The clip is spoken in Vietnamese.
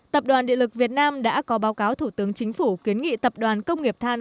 tập đoàn điện lực việt nam đã có báo cáo thủ tướng chính phủ kiến nghị tập đoàn công nghiệp than